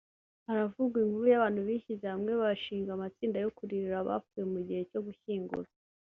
haravugwa inkuru y’abantu bishyize hamwe bashinga amatsinda yo kuririra abapfuye mu gihe cyo gushyingura